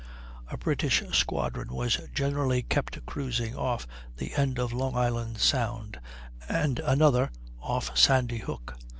A British squadron was generally kept cruising off the end of Long Island Sound, and another off Sandy Hook.